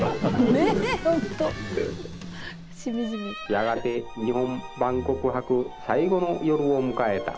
やがて日本万国博最後の夜を迎えた。